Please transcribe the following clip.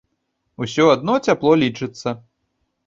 Усё адно цяпло лічыцца.